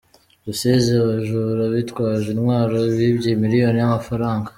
Rusizi Abajura bitwaje intwaro bibye miliyoni y’amafaranga